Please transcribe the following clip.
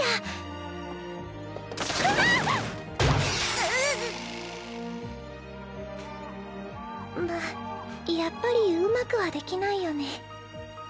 うっまあやっぱりうまくはできないよね